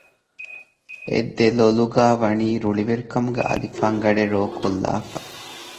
އެދޮލޮލުގައި ވަނީ ރުޅިވެރިކަމުގެ އަލިފާން ގަނޑެއް ރޯކޮށްލާފަ